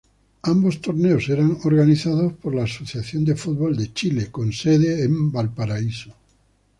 Ambos torneos eran organizados por la Football Association of Chile, con sede en Valparaíso.